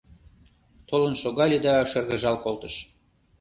Толын шогале да шыргыжал колтыш.